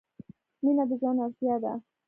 • مینه د ژوند اړتیا ده.